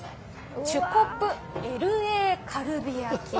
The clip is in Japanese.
チュコプＬＡカルビ焼き。